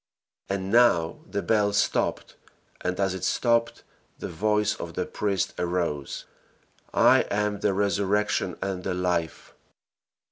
And now the bell stopped, and as it stopped, the voice of the priest arose, "I am the resurrection and the life."